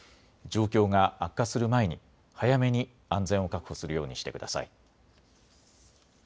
状況が悪化する前に早めに安全を確保するようにしてください。